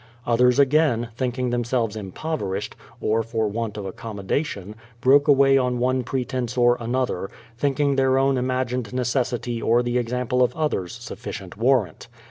Others again, thinking themselves impoverished, or for want of accommodation, broke away on one pretence or another, thinking their own imagined necessity or the example of others sufficient war rant.